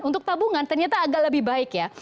untuk tabungan ternyata agak lebih baik ya